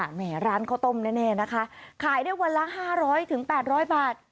เนี่ยร้านข้าวต้มแน่แน่นะคะขายได้วันละห้าร้อยถึงแปดร้อยบาท